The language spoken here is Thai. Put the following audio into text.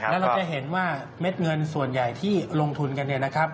แล้วเราจะเห็นว่าเม็ดเงินส่วนใหญ่ที่ลงทุนกันเนี่ยนะครับ